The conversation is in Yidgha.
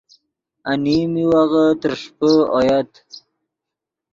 انیم میوغے ترݰپے اویت